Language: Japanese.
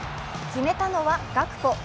決めたのはガクポ。